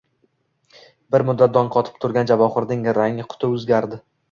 Bir muddat dong qotib turgan Javohirning rang-quti o`zgardi